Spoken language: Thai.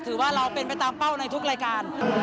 ถือว่าเราเป็นไปตามเป้าในทุกรายการ